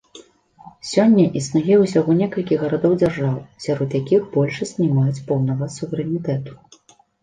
Сёння існуе ўсяго некалькі гарадоў-дзяржаў, сярод якіх большасць не маюць поўнага суверэнітэту.